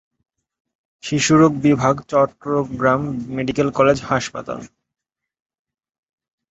শিশুরোগ বিভাগ Chittagong medical college হাসপাতাল